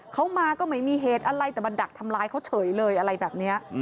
เขามาก็ไม่มีเหตุอะไรแต่มาดักทำร้ายเขาเฉยเลยอะไรแบบนี้